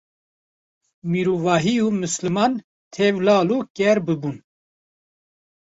mirovahî û misliman tev lal û ker bibûn